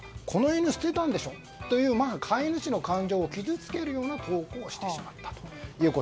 この犬捨てたんでしょ？という飼い主の感情を傷つけるような投稿をしてしまったと。